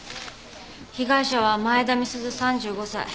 被害者は前田美鈴３５歳。